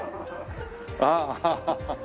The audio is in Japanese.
ああハハハ。